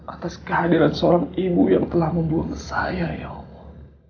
atas kehadiran seorang ibu yang telah membuang saya ya allah